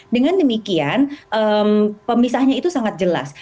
dengan demikian pemisahnya itu sangat jelas